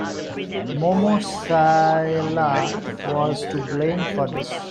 Momo Sylla was to blame for this.